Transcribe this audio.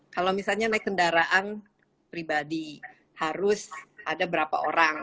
kalau misalnya naik kendaraan pribadi harus ada berapa orang